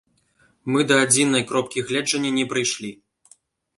Мы да адзінай кропкі гледжання не прыйшлі.